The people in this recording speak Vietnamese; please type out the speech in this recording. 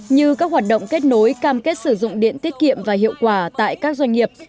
như các hoạt động kết nối cam kết sử dụng điện tiết kiệm và hiệu quả tại các doanh nghiệp